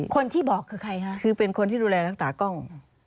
คนที่บอกคือใครคะคือเป็นคนที่ดูแลรักษากล้อง